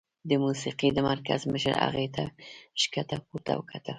د موسيقۍ د مرکز مشر هغې ته ښکته پورته وکتل.